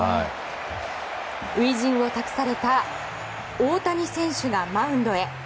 初陣を託された大谷選手がマウンドへ。